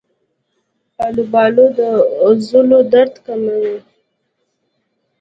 آلوبالو د عضلو درد کموي.